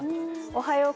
おはよう？